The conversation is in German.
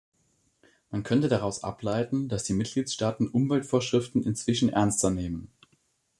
Man könnte daraus ableiten, dass die Mitgliedstaaten Umweltvorschriften inzwischen ernster nehmen.